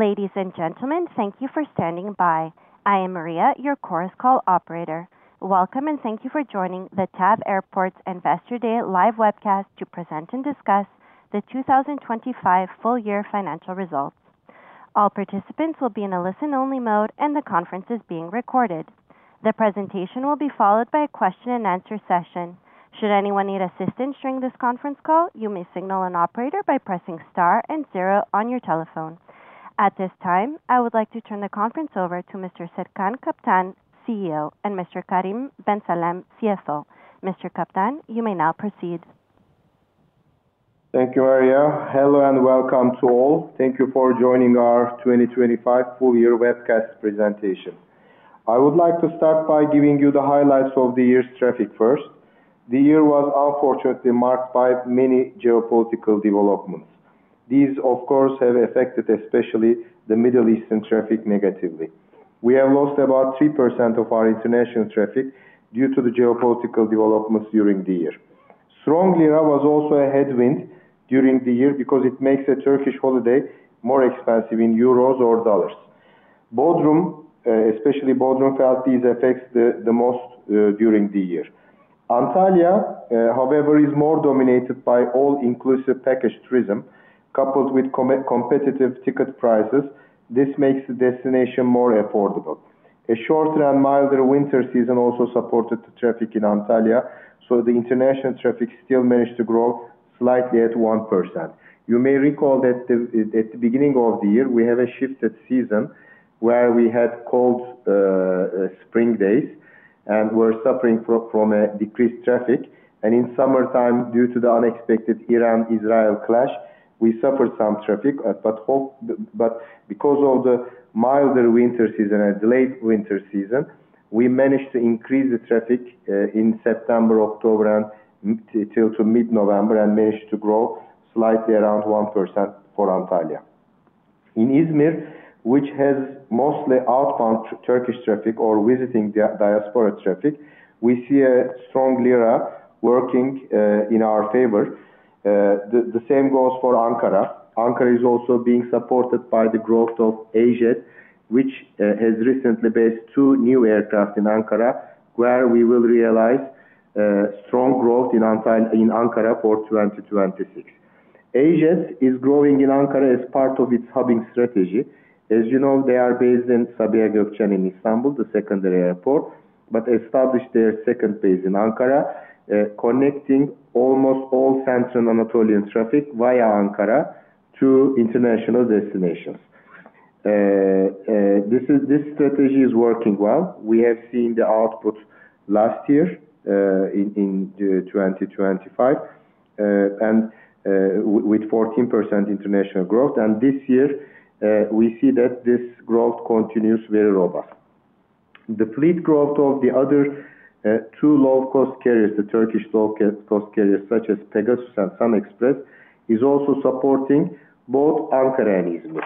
Ladies and gentlemen, thank you for standing by. I am Maria, your Chorus Call operator. Welcome, and thank you for joining the TAV Airports Investor Day live webcast to present and discuss the 2025 full year financial results. All participants will be in a listen-only mode, and the conference is being recorded. The presentation will be followed by a question-and-answer session. Should anyone need assistance during this conference call, you may signal an operator by pressing star and zero on your telephone. At this time, I would like to turn the conference over to Mr. Serkan Kaptan, CEO, and Mr. Karim Ben Salem, CFO. Mr. Kaptan, you may now proceed. Thank you, Maria. Hello, and welcome to all. Thank you for joining our 2025 full-year webcast presentation. I would like to start by giving you the highlights of the year's traffic first. The year was unfortunately marked by many geopolitical developments. These, of course, have affected, especially the Middle Eastern traffic, negatively. We have lost about 3% of our international traffic due to the geopolitical developments during the year. Strong lira was also a headwind during the year because it makes a Turkish holiday more expensive in euros or dollars. Bodrum, especially Bodrum, felt these effects the most during the year. Antalya, however, is more dominated by all-inclusive packaged tourism, coupled with competitive ticket prices, this makes the destination more affordable. A shorter and milder winter season also supported the traffic in Antalya, so the international traffic still managed to grow slightly at 1%. You may recall that at the beginning of the year, we had a shifted season where we had cold spring days and were suffering from a decreased traffic. In summertime, due to the unexpected Iran-Israel clash, we suffered some traffic, but because of the milder winter season and delayed winter season, we managed to increase the traffic in September, October, and till mid-November, and managed to grow slightly around 1% for Antalya. In İzmir, which has mostly outbound Turkish traffic or visiting diaspora traffic, we see a strong lira working in our favor. The same goes for Ankara. Ankara is also being supported by the growth of AJet, which has recently based two new aircraft in Ankara, where we will realize strong growth in Ankara for 2026. AJet is growing in Ankara as part of its hubbing strategy. As you know, they are based in Sabiha Gökçen in Istanbul, the secondary airport, but established their second base in Ankara, connecting almost all central Anatolian traffic via Ankara to international destinations. This strategy is working well. We have seen the output last year in 2025 with 14% international growth. And this year we see that this growth continues very robust. The fleet growth of the other two low-cost carriers, the Turkish low-cost carriers, such as Pegasus and SunExpress, is also supporting both Ankara and İzmir.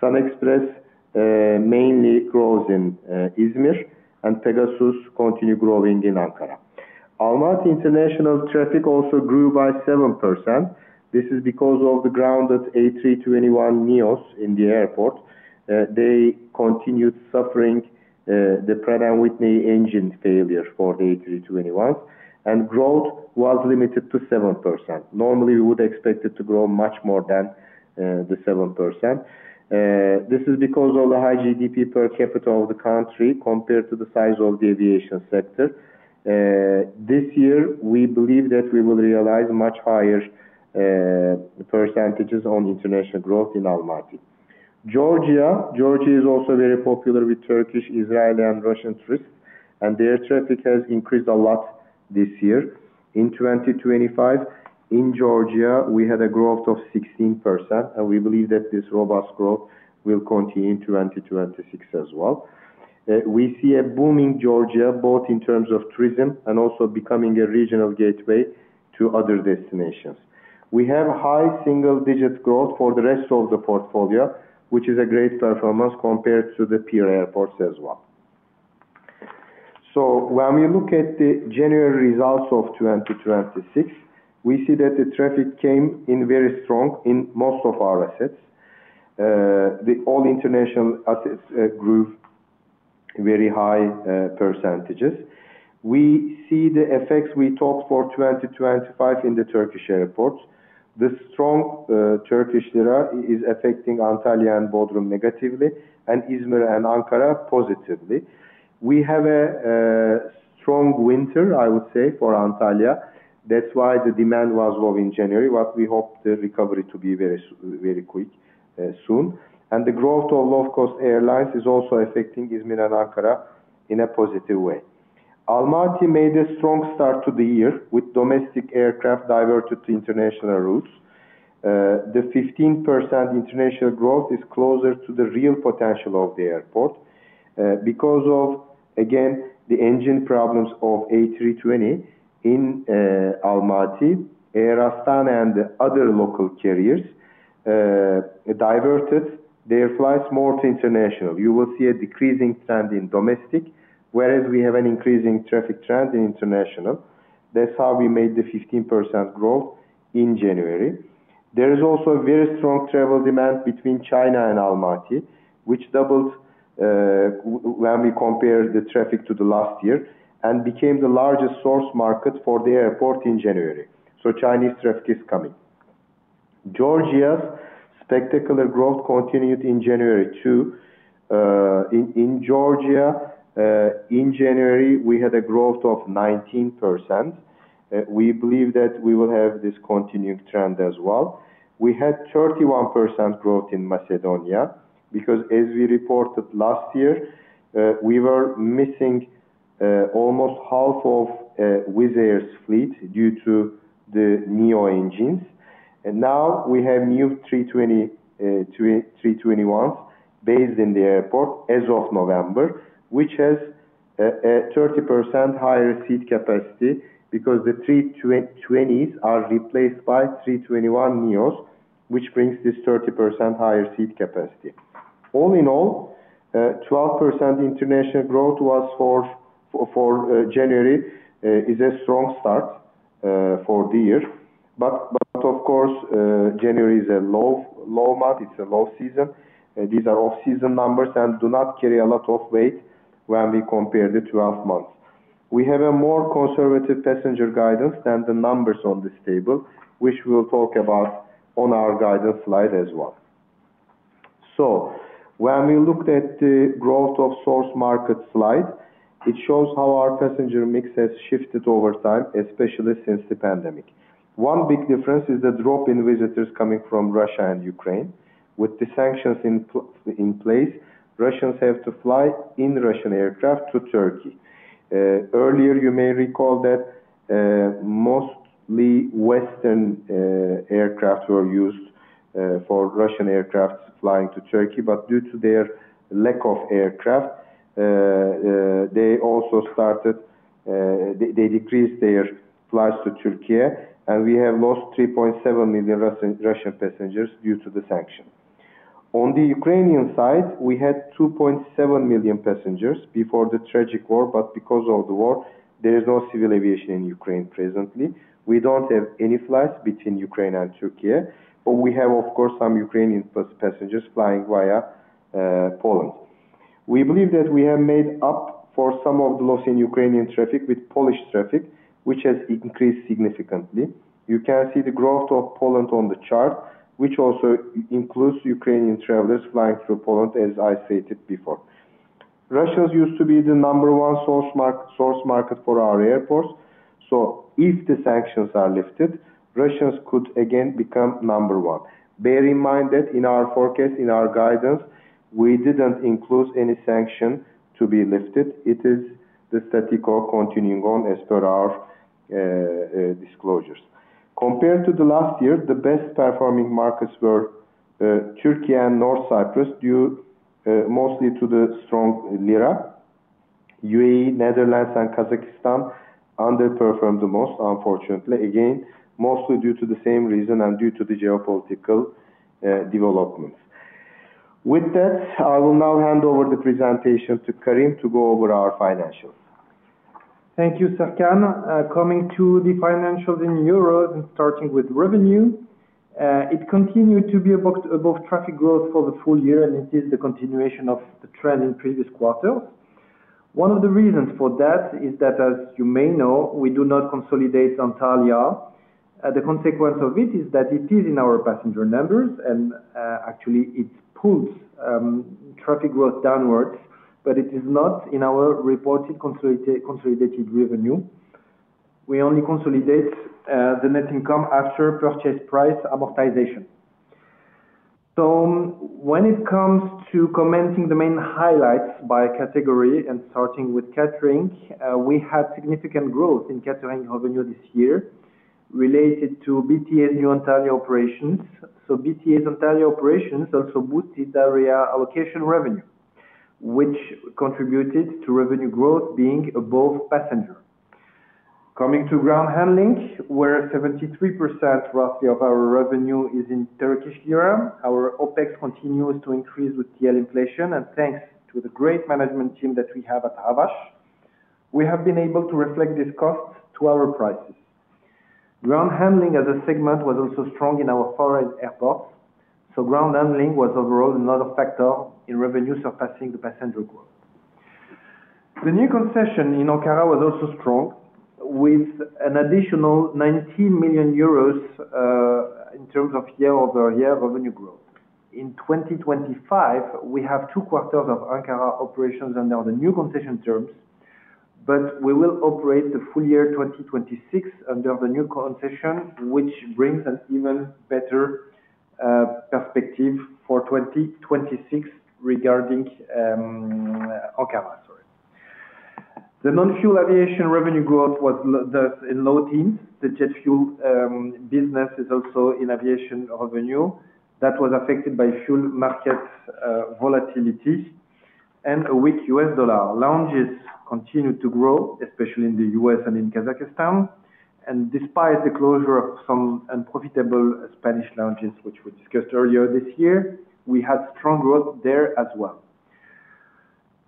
SunExpress mainly grows in İzmir, and Pegasus continue growing in Ankara. Almaty international traffic also grew by 7%. This is because of the grounded A321neos in the airport. They continued suffering the Pratt & Whitney engine failure for the A321, and growth was limited to 7%. Normally, we would expect it to grow much more than the 7%. This is because of the high GDP per capita of the country compared to the size of the aviation sector. This year, we believe that we will realize much higher percentages on international growth in Almaty. Georgia. Georgia is also very popular with Turkish, Israeli, and Russian tourists, and their traffic has increased a lot this year. In 2025, in Georgia, we had a growth of 16%, and we believe that this robust growth will continue in 2026 as well. We see a boom in Georgia, both in terms of tourism and also becoming a regional gateway to other destinations. We have high single-digit growth for the rest of the portfolio, which is a great performance compared to the peer airports as well. When we look at the January results of 2026, we see that the traffic came in very strong in most of our assets. All the international assets grew very high percentages. We see the effects we talked for 2025 in the Turkish airports. The strong Turkish lira is affecting Antalya and Bodrum negatively and İzmir and Ankara positively. We have a strong winter, I would say, for Antalya. That's why the demand was low in January, but we hope the recovery to be very quick soon. And the growth of low-cost airlines is also affecting İzmir and Ankara in a positive way. Almaty made a strong start to the year with domestic aircraft diverted to international routes. The 15% international growth is closer to the real potential of the airport. Because of, again, the engine problems of A320 in Almaty, Air Astana and the other local carriers diverted their flights more to international. You will see a decreasing trend in domestic, whereas we have an increasing traffic trend in international. That's how we made the 15% growth in January. There is also a very strong travel demand between China and Almaty, which doubled, when we compare the traffic to the last year, and became the largest source market for the airport in January. So Chinese traffic is coming. Georgia's spectacular growth continued in January, too. In Georgia, in January, we had a growth of 19%. We believe that we will have this continued trend as well. We had 31% growth in Macedonia, because as we reported last year, we were missing almost half of Wizz Air's fleet due to the neo engines. And now we have new A320, A321s based in the airport as of November, which has a 30% higher seat capacity because the A320s are replaced by A321neos, which brings this 30% higher seat capacity. All in all, 12% international growth was for January, is a strong start for the year. But of course, January is a low, low month, it's a low season. These are off-season numbers and do not carry a lot of weight when we compare the 12 months. We have a more conservative passenger guidance than the numbers on this table, which we'll talk about on our guidance slide as well. So when we looked at the growth of source market slide, it shows how our passenger mix has shifted over time, especially since the pandemic. One big difference is the drop in visitors coming from Russia and Ukraine. With the sanctions in place, Russians have to fly in Russian aircraft to Turkey. Earlier, you may recall that, mostly Western aircraft were used for Russian aircraft flying to Turkey, but due to their lack of aircraft, they also started, they decreased their flights to Turkey, and we have lost 3.7 million Russian passengers due to the sanction. On the Ukrainian side, we had 2.7 million passengers before the tragic war, but because of the war, there is no civil aviation in Ukraine presently. We don't have any flights between Ukraine and Turkey, but we have, of course, some Ukrainian passengers flying via Poland. We believe that we have made up for some of the loss in Ukrainian traffic with Polish traffic, which has increased significantly. You can see the growth of Poland on the chart, which also includes Ukrainian travelers flying through Poland, as I stated before. Russians used to be the number one source market for our airports, so if the sanctions are lifted, Russians could again become number one. Bear in mind that in our forecast, in our guidance, we didn't include any sanction to be lifted. It is the status quo continuing on as per our disclosures. Compared to the last year, the best performing markets were Turkey and North Cyprus, due mostly to the strong lira. UAE, Netherlands, and Kazakhstan underperformed the most, unfortunately, again, mostly due to the same reason and due to the geopolitical developments. With that, I will now hand over the presentation to Karim to go over our financials. Thank you, Serkan. Coming to the financials in euros and starting with revenue, it continued to be above traffic growth for the full year, and it is the continuation of the trend in previous quarters. One of the reasons for that is that, as you may know, we do not consolidate Antalya. The consequence of it is that it is in our passenger numbers and, actually, it pulls traffic growth downwards, but it is not in our reported consolidated revenue. We only consolidate the net income after purchase price amortization. So when it comes to commenting the main highlights by category and starting with catering, we had significant growth in catering revenue this year related to BTA new Antalya operations. So BTA Antalya operations also boosted the area allocation revenue, which contributed to revenue growth being above passenger. Coming to ground handling, where 73% roughly of our revenue is in Turkish lira. Our OpEx continues to increase with TL inflation, and thanks to the great management team that we have at Havaş, we have been able to reflect these costs to our prices. Ground handling as a segment was also strong in our foreign airports, so ground handling was overall another factor in revenue surpassing the passenger growth. The new concession in Ankara was also strong, with an additional 90 million euros in terms of year-over-year revenue growth. In 2025, we have two quarters of Ankara operations under the new concession terms, but we will operate the full year 2026 under the new concession, which brings an even better perspective for 2026 regarding Ankara. Sorry. The non-fuel aviation revenue growth was in low teens. The jet fuel business is also in aviation revenue that was affected by fuel market volatility and a weak U.S. dollar. Lounges continued to grow, especially in the U.S. and in Kazakhstan, and despite the closure of some unprofitable Spanish lounges, which we discussed earlier this year, we had strong growth there as well....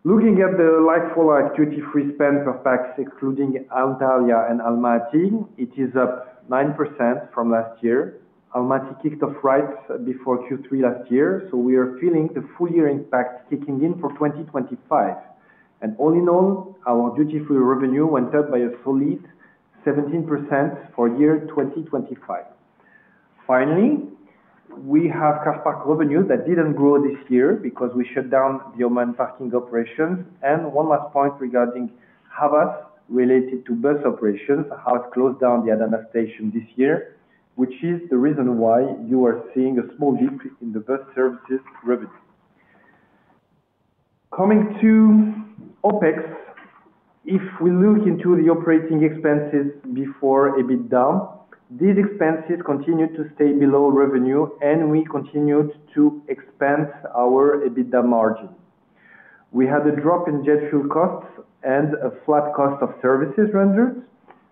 Looking at the like-for-like duty-free spend per pax, excluding Antalya and Almaty, it is up 9% from last year. Almaty kicked off right before Q3 last year, so we are feeling the full year impact kicking in for 2025. And all in all, our duty-free revenue went up by a solid 17% for year 2025. Finally, we have car park revenue that didn't grow this year because we shut down the Oman parking operations. One last point regarding Havaş related to bus operations, Havaş closed down the Adana station this year, which is the reason why you are seeing a small dip in the bus services revenue. Coming to OpEx, if we look into the operating expenses before EBITDA, these expenses continued to stay below revenue and we continued to expand our EBITDA margin. We had a drop in jet fuel costs and a flat cost of services rendered.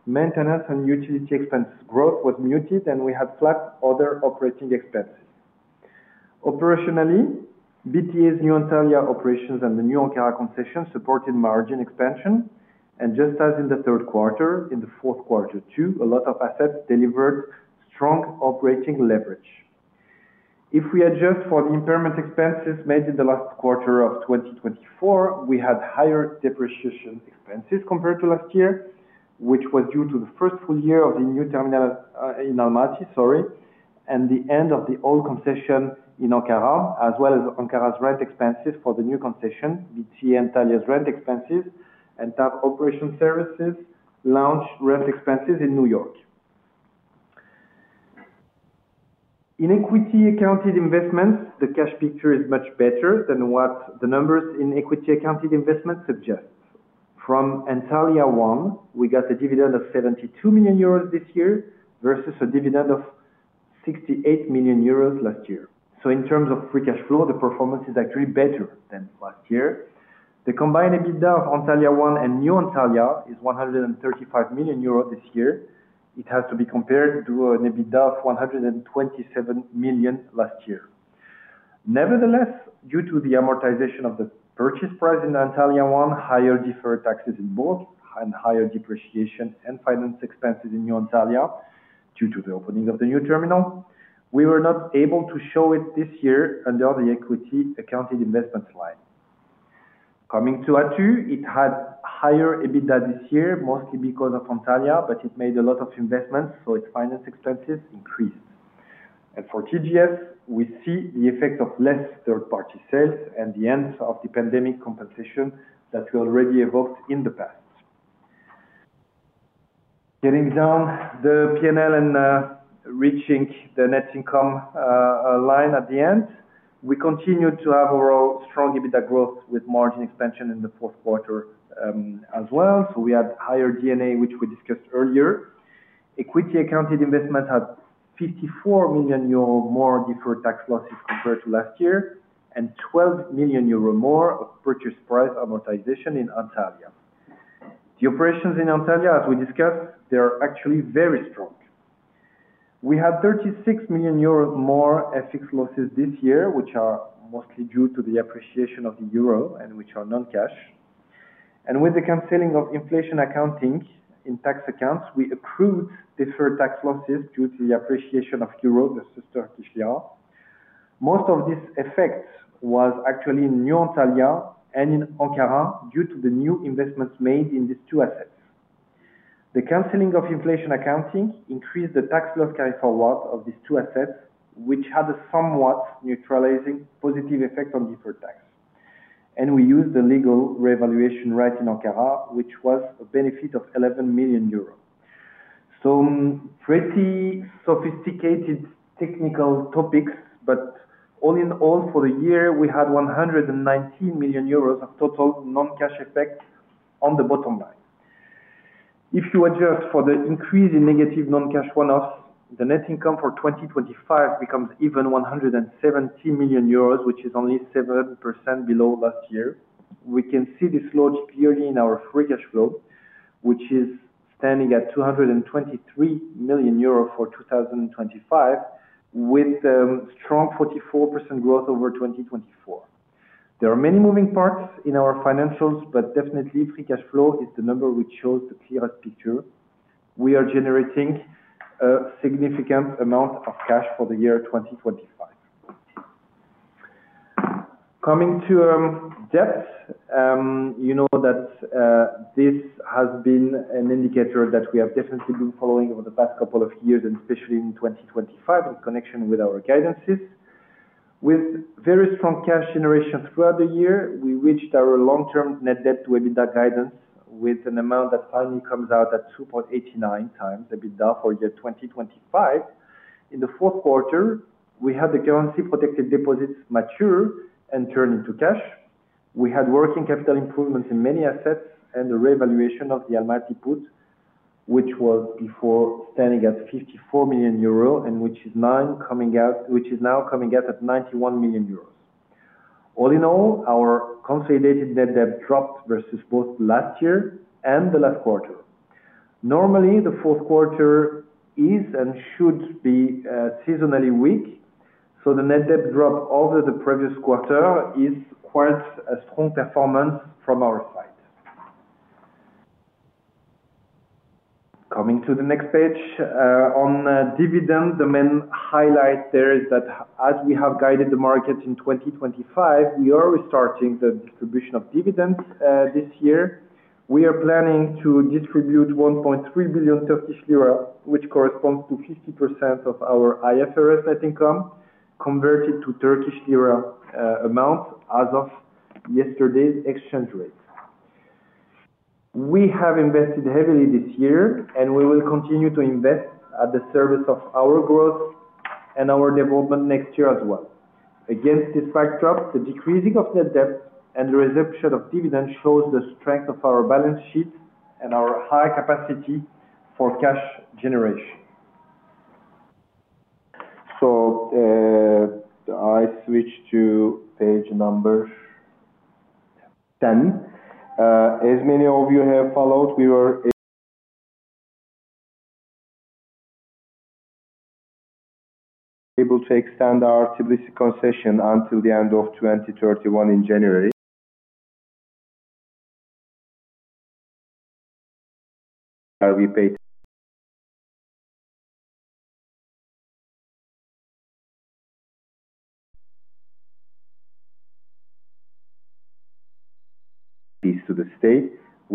Maintenance and utility expense growth was muted, and we had flat other operating expenses. Operationally, BTA's new Antalya operations and the new Ankara concession supported margin expansion. Just as in the third quarter, in the fourth quarter too, a lot of assets delivered strong operating leverage. If we adjust for the impairment expenses made in the last quarter of 2024, we had higher depreciation expenses compared to last year, which was due to the first full year of the new terminal in Almaty, and the end of the old concession in Ankara, as well as Ankara's rent expenses for the new concession, BTA Antalya's rent expenses, and TAV Operation Services lounge rent expenses in New York. In equity accounted investments, the cash picture is much better than what the numbers in equity accounted investments suggest. From Antalya 1, we got a dividend of 72 million euros this year versus a dividend of 68 million euros last year. So in terms of free cash flow, the performance is actually better than last year. The combined EBITDA of Antalya 1 and new Antalya is 135 million euros this year. It has to be compared to an EBITDA of 127 million last year. Nevertheless, due to the amortization of the purchase price in Antalya 1, higher deferred taxes in both, and higher depreciation and finance expenses in new Antalya, due to the opening of the new terminal, we were not able to show it this year under the equity accounted investment line. Coming to ATÜ, it had higher EBITDA this year, mostly because of Antalya, but it made a lot of investments, so its finance expenses increased. And for TGS, we see the effect of less third-party sales and the end of the pandemic compensation that we already evoked in the past. Getting down the P&L and, reaching the net income line at the end, we continued to have overall strong EBITDA growth with margin expansion in the fourth quarter, as well. We had higher D&A, which we discussed earlier. Equity accounted investment had 54 million euro more deferred tax losses compared to last year, and 12 million euro more of purchase price amortization in Antalya. The operations in Antalya, as we discussed, they are actually very strong. We have 36 million euros more FX losses this year, which are mostly due to the appreciation of the euro and which are non-cash. With the canceling of inflation accounting in tax accounts, we approved deferred tax losses due to the appreciation of euro versus Turkish lira. Most of this effect was actually in new Antalya and in Ankara, due to the new investments made in these two assets. The canceling of inflation accounting increased the tax loss carryforward of these two assets, which had a somewhat neutralizing positive effect on deferred tax. We used the legal revaluation right in Ankara, which was a benefit of 11 million euros. Pretty sophisticated technical topics, but all in all, for the year, we had 119 million euros of total non-cash effect on the bottom line. If you adjust for the increase in negative non-cash one-offs, the net income for 2025 becomes even 170 million euros, which is only 7% below last year. We can see this large clearly in our free cash flow, which is standing at 223 million euro for 2025, with strong 44% growth over 2024. There are many moving parts in our financials, but definitely, free cash flow is the number which shows the clearest picture. We are generating a significant amount of cash for the year 2025. Coming to debt, you know that this has been an indicator that we have definitely been following over the past couple of years, and especially in 2025, in connection with our guidances. With very strong cash generation throughout the year, we reached our long-term net debt-to-EBITDA guidance with an amount that finally comes out at 2.89x EBITDA for year 2025. In the fourth quarter, we had the currency-protected deposits mature and turn into cash. We had working capital improvements in many assets and the revaluation of the Almaty put, which was before standing at 54 million euro, and which is now coming out at 91 million euro. All in all, our consolidated net debt dropped versus both last year and the last quarter. Normally, the fourth quarter is and should be seasonally weak, so the net debt drop over the previous quarter is quite a strong performance from our side. Coming to the next page, on dividend, the main highlight there is that as we have guided the market in 2025, we are restarting the distribution of dividends this year. We are planning to distribute 1.3 billion Turkish lira, which corresponds to 50% of our IFRS net income, converted to Turkish lira amount as of yesterday's exchange rate. We have invested heavily this year, and we will continue to invest at the service of our growth and our development next year as well. Against this backdrop, the decreasing of net debt and the reception of dividend shows the strength of our balance sheet and our high capacity for cash generation. So, I switch to page number 10. As many of you have followed, we were able to extend our Tbilisi concession until the end of 2031 in January. We pay fees to the state.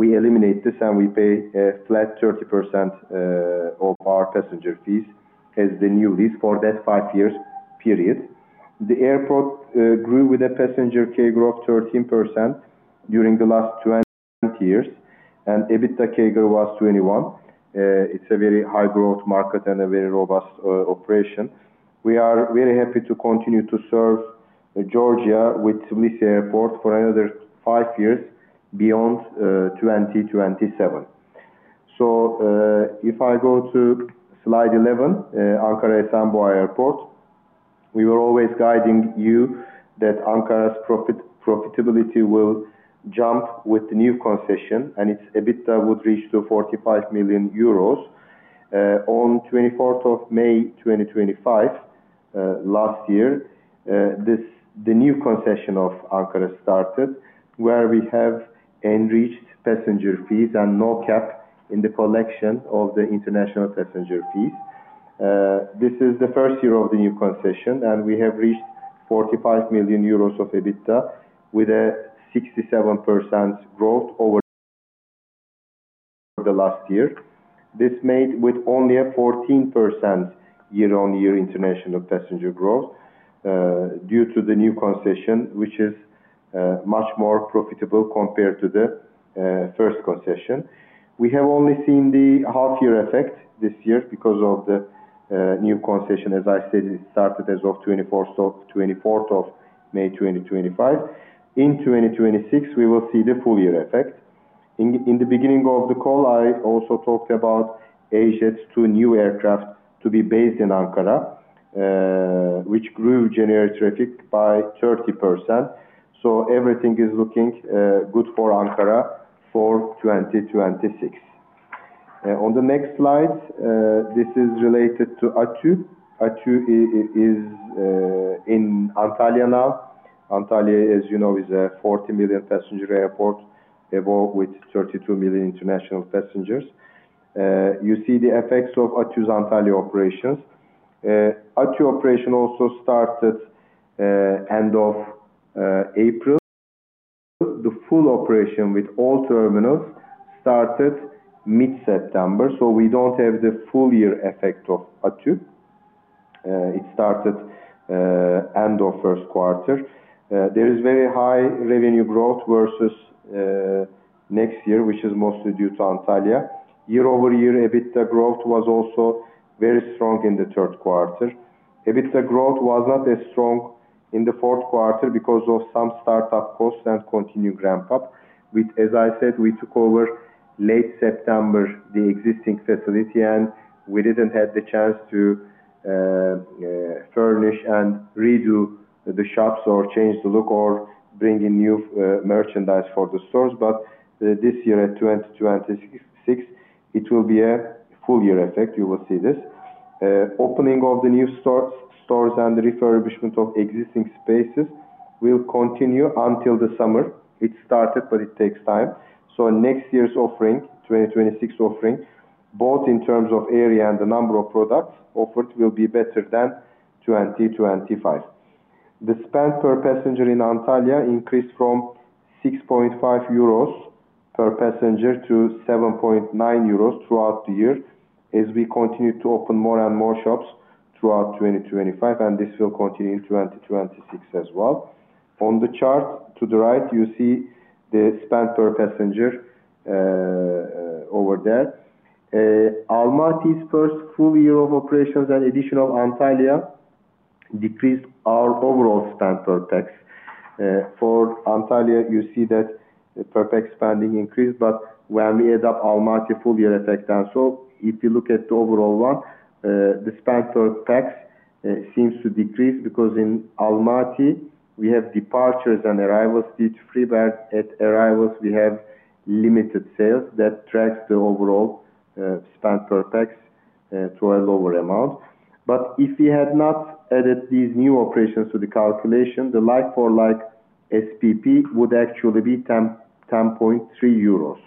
We eliminate this, and we pay a flat 30% of our passenger fees as the new lease for that five years period. The airport grew with a passenger CAGR of 13% during the last 20 years, and EBITDA CAGR was 21. It's a very high-growth market and a very robust operation. We are very happy to continue to serve Georgia with Tbilisi Airport for another five years beyond 2027. So, if I go to slide 11, Ankara Esenboğa Airport, we were always guiding you that Ankara's profitability will jump with the new concession, and its EBITDA would reach to 45 million euros. On 24th of May, 2025, last year, the new concession of Ankara started, where we have enriched passenger fees and no cap in the collection of the international passenger fees. This is the first year of the new concession, and we have reached 45 million euros of EBITDA, with a 67% growth over the last year. This made with only a 14% year-on-year international passenger growth, due to the new concession, which is much more profitable compared to the first concession. We have only seen the half-year effect this year because of the new concession. As I said, it started as of 24th of May, 2025. In 2026, we will see the full-year effect. In the beginning of the call, I also talked about AJet's two new aircraft to be based in Ankara, which grew January traffic by 30%. So everything is looking good for Ankara for 2026. On the next slide, this is related to ATÜ. ATÜ is in Antalya now. Antalya, as you know, is a 40 million passenger airport, involved with 32 million international passengers. You see the effects of ATÜ's Antalya operations. ATÜ operation also started end of April. The full operation with all terminals started mid-September, so we don't have the full year effect of ATÜ. It started end of first quarter. There is very high revenue growth versus next year, which is mostly due to Antalya. Year-over-year, EBITDA growth was also very strong in the third quarter. EBITDA growth was not as strong in the fourth quarter because of some start-up costs and continued ramp up, which, as I said, we took over late September, the existing facility, and we didn't have the chance to furnish and redo the shops or change the look or bring in new merchandise for the stores. But this year, in 2026, it will be a full year effect, you will see this. Opening of the new stores, stores and the refurbishment of existing spaces will continue until the summer. It started, but it takes time. So next year's offering, 2026 offering, both in terms of area and the number of products offered, will be better than 2025. The spend per passenger in Antalya increased from 6.5 euros per passenger to 7.9 euros throughout the year, as we continue to open more and more shops throughout 2025, and this will continue in 2026 as well. On the chart to the right, you see the spend per passenger over there. Almaty's first full year of operations and additional Antalya decreased our overall spend per pax. For Antalya, you see that the per pax spending increased, but when we add up Almaty full year effect and so, if you look at the overall one, the spend per pax seems to decrease because in Almaty, we have departures and arrivals, duty-free, but at arrivals, we have limited sales that drags the overall spend per pax to a lower amount. But if we had not added these new operations to the calculation, the like-for-like SPP would actually be 10.3 euros.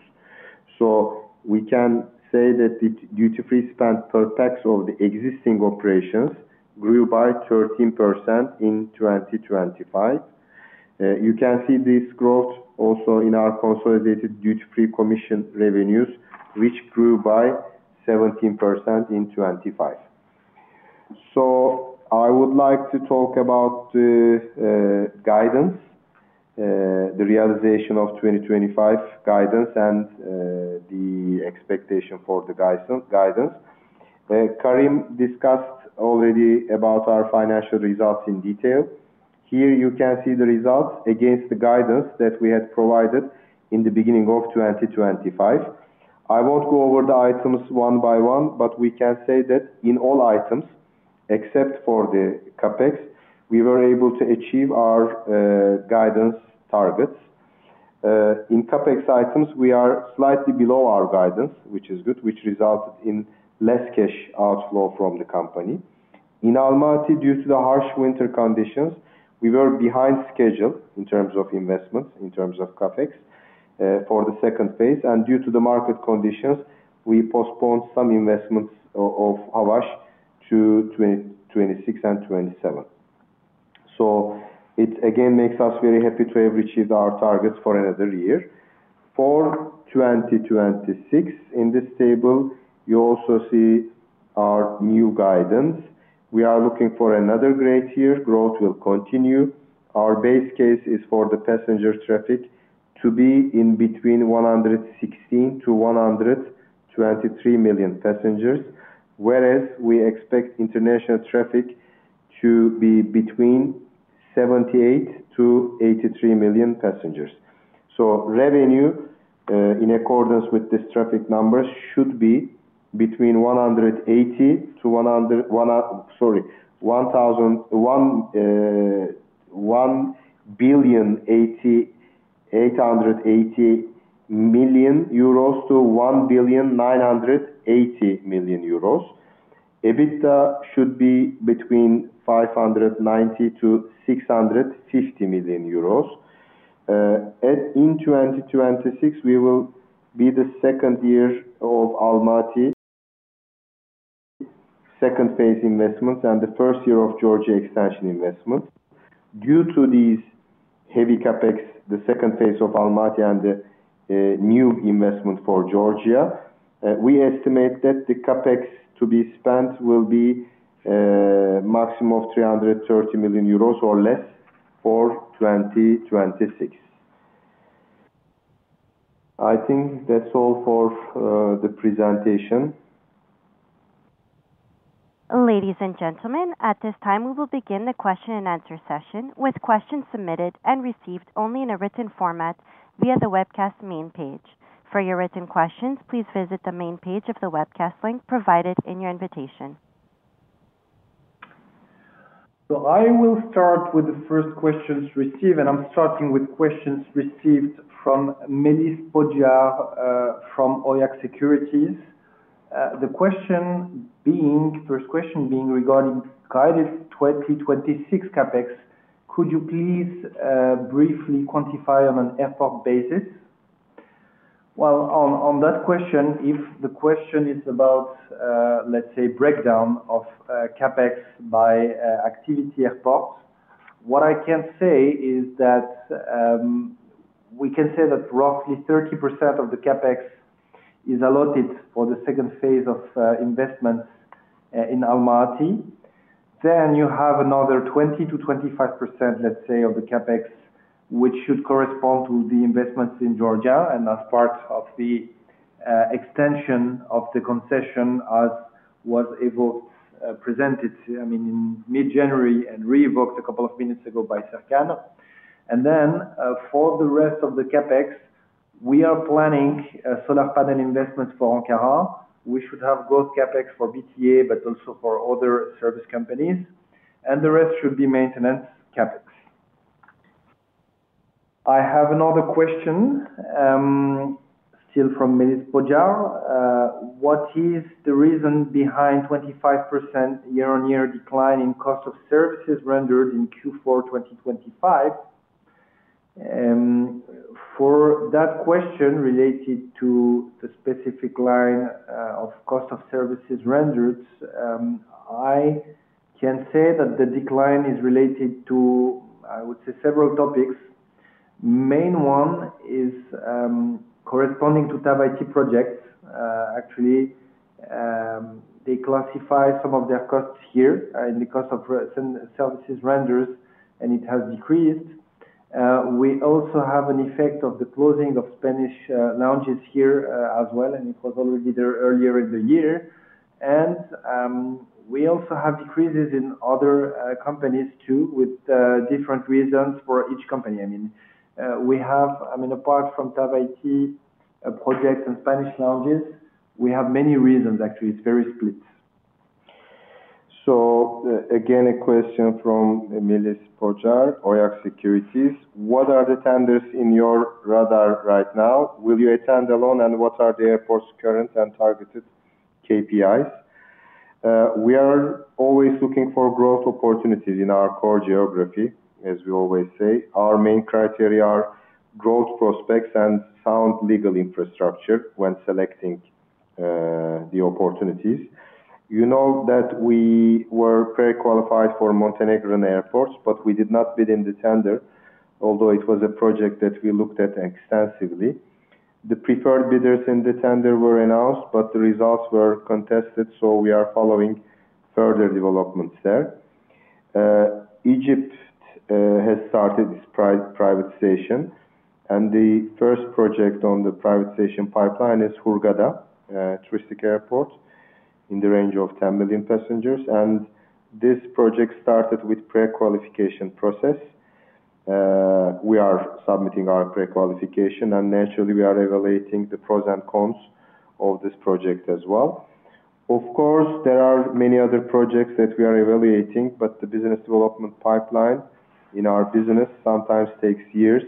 So we can say that the duty-free spend per pax of the existing operations grew by 13% in 2025. You can see this growth also in our consolidated duty-free commission revenues, which grew by 17% in 2025. So I would like to talk about the guidance, the realization of 2025 guidance and the expectation for the guidance. Karim discussed already about our financial results in detail. Here you can see the results against the guidance that we had provided in the beginning of 2025. I won't go over the items one by one, but we can say that in all items, except for the CapEx, we were able to achieve our guidance targets. In CapEx items, we are slightly below our guidance, which is good, which resulted in less cash outflow from the company. In Almaty, due to the harsh winter conditions, we were behind schedule in terms of investments, in terms of CapEx, for the second phase, and due to the market conditions, we postponed some investments of Havaş to 2026 and 2027. So it again makes us very happy to have achieved our targets for another year. For 2026, in this table, you also see our new guidance. We are looking for another great year. Growth will continue. Our base case is for the passenger traffic to be in between 116-123 million passengers, whereas we expect international traffic to be between 78-83 million passengers. So revenue, in accordance with this traffic numbers, should be between 1.088 billion-1.98 billion euros. EBITDA should be between 590 million-650 million euros. In 2026, we will be the second year of Almaty, second phase investments and the first year of Georgia expansion investment. Due to these heavy CapEx, the second phase of Almaty and the new investment for Georgia, we estimate that the CapEx to be spent will be maximum of 330 million euros or less for 2026. I think that's all for the presentation. Ladies and gentlemen, at this time, we will begin the question and answer session with questions submitted and received only in a written format via the webcast main page. For your written questions, please visit the main page of the webcast link provided in your invitation. So I will start with the first questions received, and I'm starting with questions received from Melis Pocar from Oyak Securities. The question being, First question being regarding guided 2026 CapEx, could you please briefly quantify on an airport basis? Well, on that question, if the question is about, let's say, breakdown of CapEx by activity airport, what I can say is that, we can say that roughly 30% of the CapEx is allotted for the second phase of investment in Almaty. Then you have another 20%-25%, let's say, of the CapEx, which should correspond to the investments in Georgia, and as part of the extension of the concession, as was evoked, presented, I mean, in mid-January and re-evoked a couple of minutes ago by Serkan. For the rest of the CapEx, we are planning a solar panel investment for Ankara. We should have both CapEx for BTA, but also for other service companies, and the rest should be maintenance CapEx. I have another question, still from Melis Pocar. What is the reason behind 25% year-on-year decline in cost of services rendered in Q4, 2025? For that question related to the specific line of cost of services rendered, I can say that the decline is related to, I would say, several topics. Main one is, I would say, corresponding to TAV IT projects. Actually, they classify some of their costs here in the cost of services rendered, and it has decreased. We also have an effect of the closing of Spanish lounges here as well, and it was already there earlier in the year. We also have decreases in other companies too, with different reasons for each company. I mean, we have, I mean, apart from TAV IT projects and Spanish lounges. We have many reasons, actually, it's very split. So, again, a question from Melis Pocar, Oyak Securities: What are the tenders in your radar right now? Will you attend alone, and what are the airports current and targeted KPIs? We are always looking for growth opportunities in our core geography, as we always say. Our main criteria are growth prospects and sound legal infrastructure when selecting the opportunities. You know that we were pre-qualified for Montenegrin airports, but we did not bid in the tender, although it was a project that we looked at extensively. The preferred bidders in the tender were announced, but the results were contested, so we are following further developments there. Egypt has started its privatization, and the first project on the privatization pipeline is Hurghada touristic airport, in the range of 10 million passengers. And this project started with pre-qualification process. We are submitting our pre-qualification, and naturally, we are evaluating the pros and cons of this project as well. Of course, there are many other projects that we are evaluating, but the business development pipeline in our business sometimes takes years,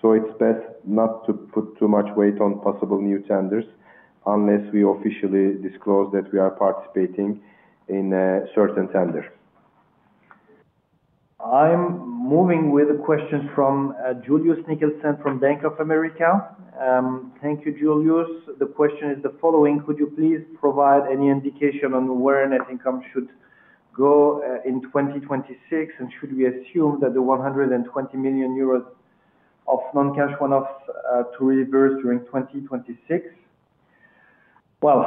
so it's best not to put too much weight on possible new tenders unless we officially disclose that we are participating in certain tender. I'm moving with a question from Julius Nickelsen from Bank of America. Thank you, Julius. The question is the following: Could you please provide any indication on where net income should go in 2026? And should we assume that the 120 million euros of non-cash one-offs to reverse during 2026? Well,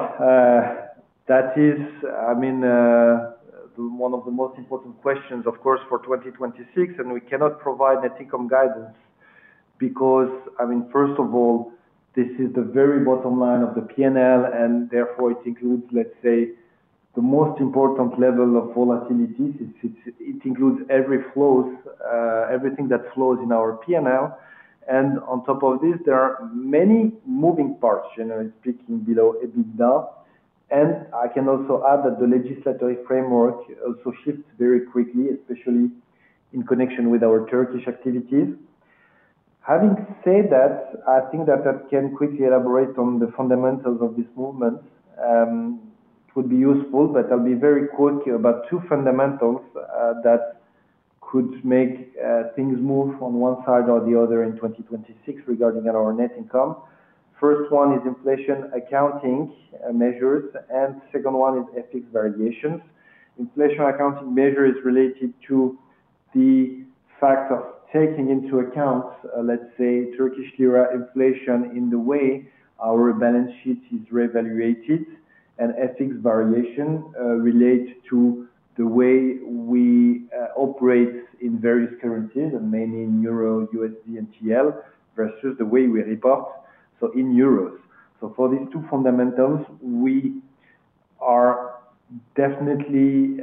that is, I mean, the one of the most important questions, of course, for 2026, and we cannot provide net income guidance because, I mean, first of all, this is the very bottom line of the PNL, and therefore it includes, let's say, the most important level of volatilities. It includes every flows, everything that flows in our PNL. And on top of this, there are many moving parts, generally speaking, below EBITDA. I can also add that the legislative framework also shifts very quickly, especially in connection with our Turkish activities. Having said that, I think that that can quickly elaborate on the fundamentals of this movement would be useful, but I'll be very quick about two fundamentals that could make things move on one side or the other in 2026 regarding our net income. First one is inflation accounting measures, and second one is FX variations. Inflation accounting measure is related to the fact of taking into account, let's say, Turkish lira inflation in the way our balance sheet is reevaluated, and FX variation relate to the way we operate in various currencies, and mainly in euro, USD, and TL, versus the way we report, so in euros. So for these two fundamentals, we are definitely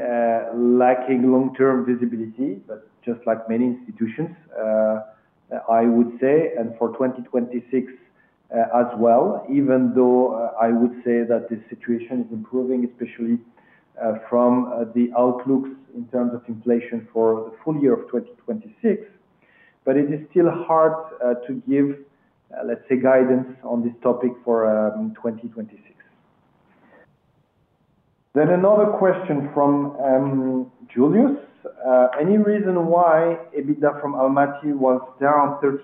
lacking long-term visibility, but just like many institutions, I would say, and for 2026 as well, even though I would say that the situation is improving, especially from the outlooks in terms of inflation for the full year of 2026. But it is still hard to give, let's say, guidance on this topic for 2026. Then another question from Julius. Any reason why EBITDA from Almaty was down 35%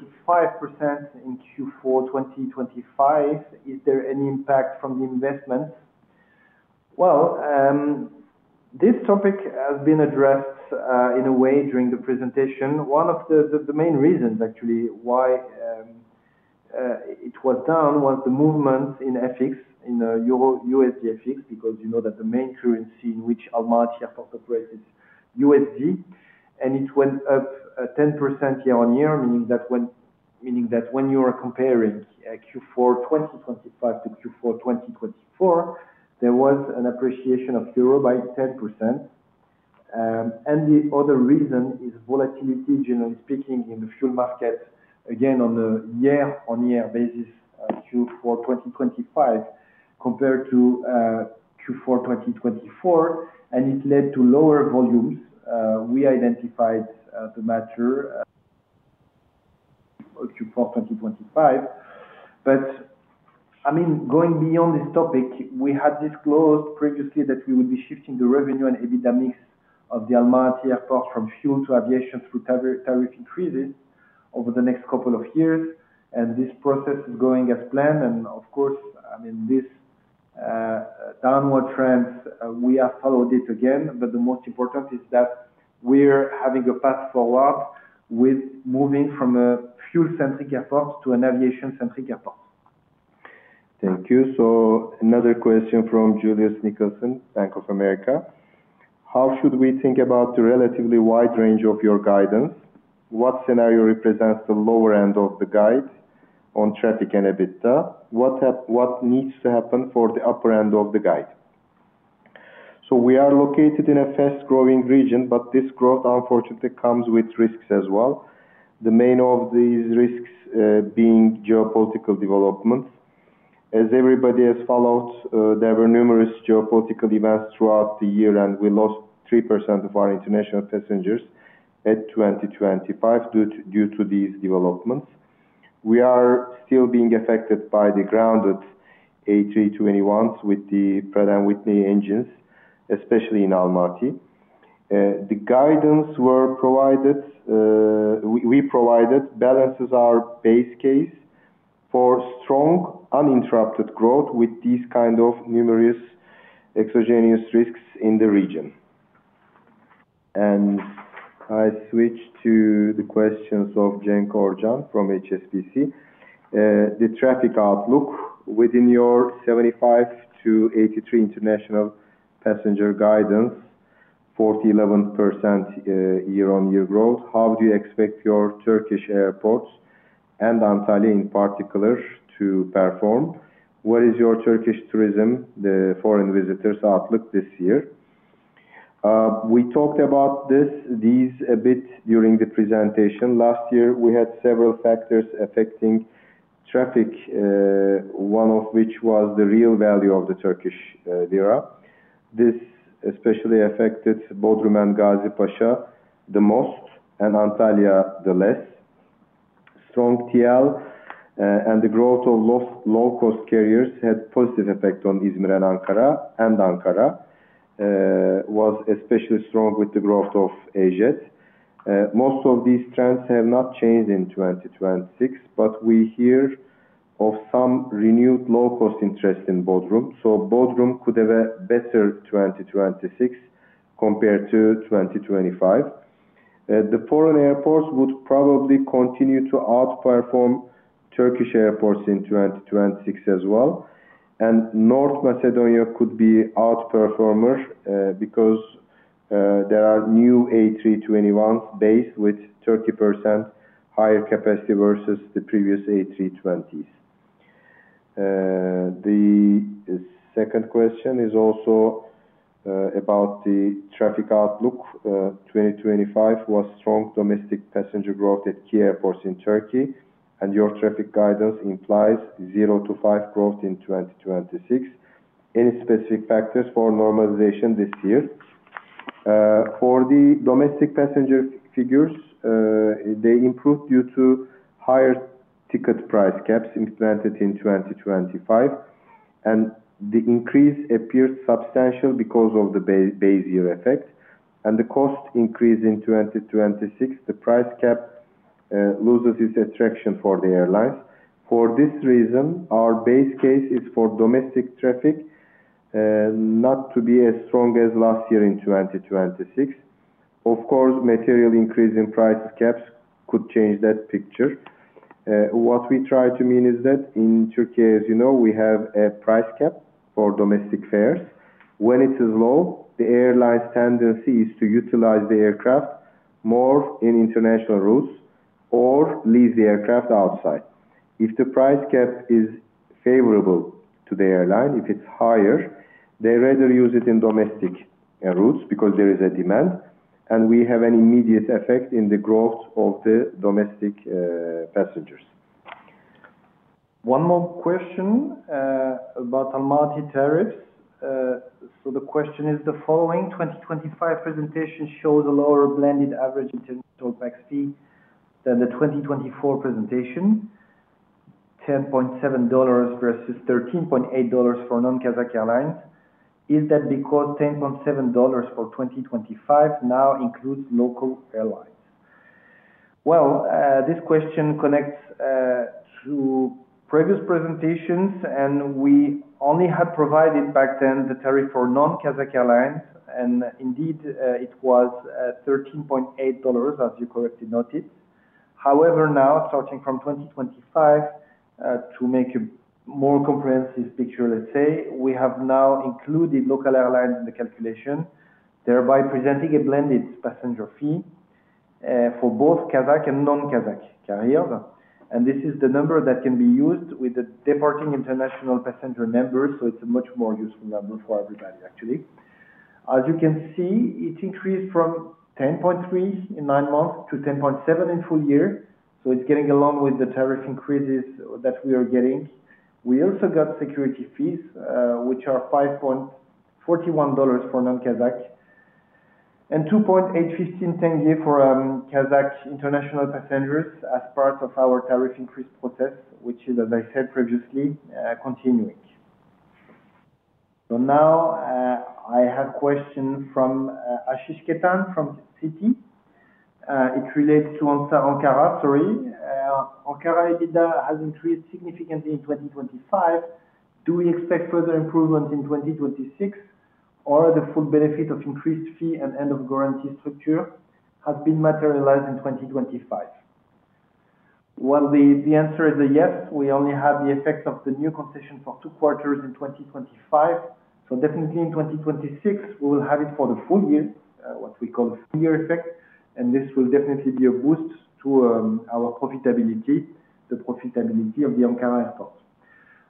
in Q4 2025? Is there any impact from the investment? Well, this topic has been addressed in a way during the presentation. One of the main reasons actually why it was down was the movement in FX, Euro USD FX, because you know that the main currency in which Almaty Airport operates is USD, and it went up 10% year-on-year, meaning that when meaning that when you are comparing Q4 2025 to Q4 2024, there was an appreciation of euro by 10%. And the other reason is volatility, generally speaking, in the fuel market, again, on a year-on-year basis, Q4 2025 compared to Q4 2024, and it led to lower volumes. We identified the matter Q4 2025. I mean, going beyond this topic, we had disclosed previously that we would be shifting the revenue and EBITDA mix of the Almaty Airport from fuel to aviation through tariff increases over the next couple of years, and this process is going as planned. Of course, I mean, this downward trends we have followed it again, but the most important is that we're having a path forward with moving from a fuel-centric airport to an aviation-centric airport. Thank you. So another question from Julius Nickelsen, Bank of America. How should we think about the relatively wide range of your guidance? What scenario represents the lower end of the guide on traffic and EBITDA? What needs to happen for the upper end of the guide? So we are located in a fast-growing region, but this growth unfortunately comes with risks as well. The main of these risks being geopolitical developments. As everybody has followed, there were numerous geopolitical events throughout the year, and we lost 3% of our international passengers in 2025 due to these developments. We are still being affected by the grounded A321s with the Pratt & Whitney engines, especially in Almaty. The guidance were provided, we provided balances our base case for strong, uninterrupted growth with these kind of numerous exogenous risks in the region. I switch to the questions of Cenk Orcan from HSBC. The traffic outlook within your 75-83 international passenger guidance, 4-11% year-on-year growth, how do you expect your Turkish airports and Antalya, in particular, to perform? What is your Turkish tourism, the foreign visitors outlook this year? We talked about this a bit during the presentation. Last year, we had several factors affecting traffic, one of which was the real value of the Turkish lira. This especially affected Bodrum and Gazipaşa the most, and Antalya the less. Strong TL and the growth of low-cost carriers had positive effect on İzmir and Ankara, and Ankara was especially strong with the growth of AJet. Most of these trends have not changed in 2026, but we hear of some renewed low-cost interest in Bodrum. So Bodrum could have a better 2026 compared to 2025. The foreign airports would probably continue to outperform Turkish airports in 2026 as well, and North Macedonia could be outperformer, because there are new A321s based with 30% higher capacity versus the previous A320s. The second question is also about the traffic outlook. 2025 was strong domestic passenger growth at key airports in Turkey, and your traffic guidance implies 0-5% growth in 2026. Any specific factors for normalization this year? For the domestic passenger figures, they improved due to higher ticket price caps implemented in 2025, and the increase appeared substantial because of the base year effect and the cost increase in 2026, the price cap loses its attraction for the airlines. For this reason, our base case is for domestic traffic, not to be as strong as last year in 2026. Of course, material increase in price caps could change that picture. What we try to mean is that in Turkey, as you know, we have a price cap for domestic fares. When it is low, the airline's tendency is to utilize the aircraft more in international routes or leave the aircraft outside. If the price cap is favorable to the airline, if it's higher, they rather use it in domestic routes because there is a demand, and we have an immediate effect in the growth of the domestic passengers. One more question, about Almaty tariffs. So the question is the following: 2025 presentation shows a lower blended average international PAX fee than the 2024 presentation, $10.7 versus $13.8 for non-Kazakh airlines. Is that because $10.7 for 2025 now includes local airlines? This question connects to previous presentations, and we only had provided back then the tariff for non-Kazakh airlines, and indeed, it was $13.8, as you correctly noted. However, now starting from 2025, to make a more comprehensive picture, let's say, we have now included local airlines in the calculation, thereby presenting a blended passenger fee for both Kazakh and non-Kazakh carriers. And this is the number that can be used with the departing international passenger members, so it's a much more useful number for everybody, actually. As you can see, it increased from 10.3 in nine months to 10.7 in full year, so it's getting along with the tariff increases that we are getting. We also got security fees, which are $5.41 for non-Kazakh and KZT 2.815 for Kazakh international passengers as part of our tariff increase process, which is, as I said previously, continuing. So now, I have question from Ashish Khetan from Citi. It relates to Ankara, sorry. Ankara EBITDA has increased significantly in 2025. Do we expect further improvement in 2026, or the full benefit of increased fee and end of guarantee structure has been materialized in 2025? Well, the answer is a yes. We only have the effect of the new concession for two quarters in 2025, so definitely in 2026, we will have it for the full year. What we call full-year effect, and this will definitely be a boost to our profitability, the profitability of the Ankara Airport.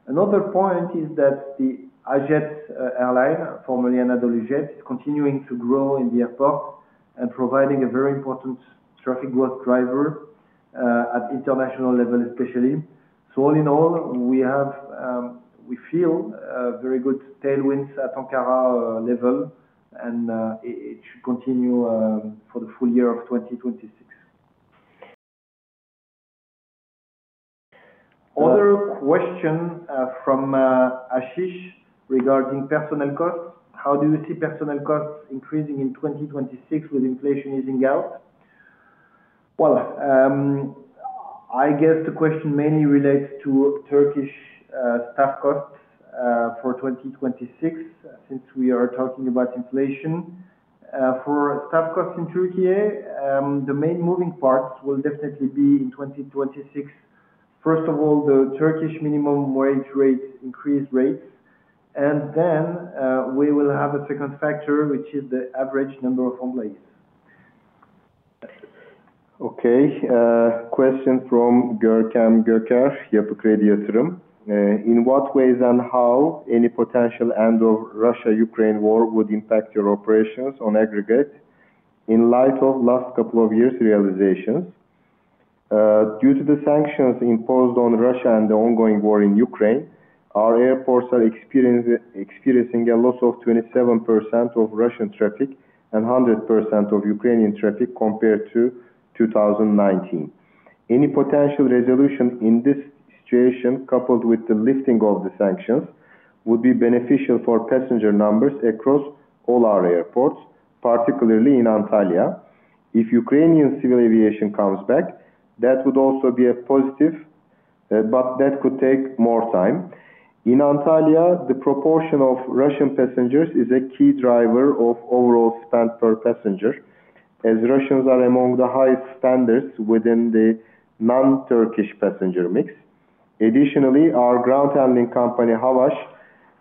Another point is that the AJet airline, formerly AnadoluJet, is continuing to grow in the airport and providing a very important traffic growth driver at international level, especially. So all in all, we have we feel very good tailwinds at Ankara level, and it, it should continue for the full year of 2026. Other question from Ashish regarding personnel costs: How do you see personnel costs increasing in 2026 with inflation easing out? Well, I guess the question mainly relates to Turkish staff costs for 2026, since we are talking about inflation. For staff costs in Turkey, the main moving parts will definitely be in 2026. First of all, the Turkish minimum wage rate, increase rates, and then, we will have a second factor, which is the average number of employees. Okay, question from Görkem Göker, Yapı Kredi Yatırım. In what ways and how any potential end of Russia-Ukraine war would impact your operations on aggregate in light of last couple of years realizations? Due to the sanctions imposed on Russia and the ongoing war in Ukraine, our airports are experiencing a loss of 27% of Russian traffic and 100% of Ukrainian traffic compared to 2019. Any potential resolution in this situation, coupled with the lifting of the sanctions, would be beneficial for passenger numbers across all our airports, particularly in Antalya. If Ukrainian civil aviation comes back, that would also be a positive, but that could take more time. In Antalya, the proportion of Russian passengers is a key driver of overall spend per passenger, as Russians are among the highest spenders within the non-Turkish passenger mix. Additionally, our ground handling company, Havaş,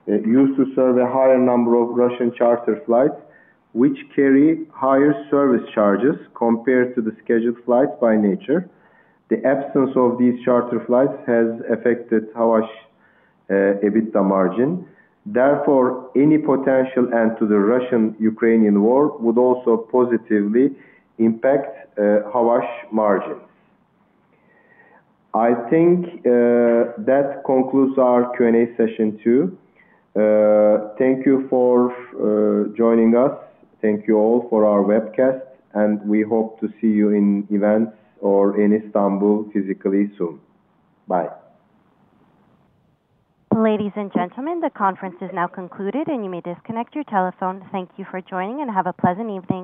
used to serve a higher number of Russian charter flights, which carry higher service charges compared to the scheduled flights by nature. The absence of these charter flights has affected Havaş EBITDA margin. Therefore, any potential end to the Russian-Ukrainian war would also positively impact Havaş margins. I think that concludes our Q&A session, too. Thank you for joining us. Thank you all for our webcast, and we hope to see you in events or in Istanbul physically soon. Bye. Ladies and gentlemen, the conference is now concluded, and you may disconnect your telephone. Thank you for joining, and have a pleasant evening.